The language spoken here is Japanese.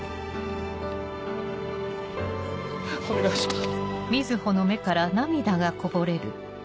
お願いします。